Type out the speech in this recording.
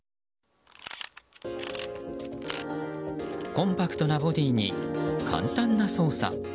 コンパクトなボディーに簡単な操作。